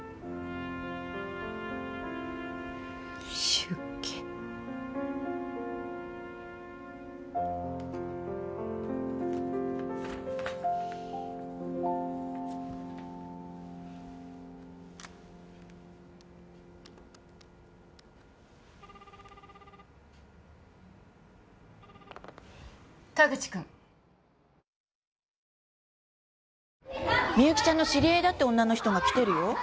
出家田口君みゆきちゃんの知り合いだって女の人が来てるよ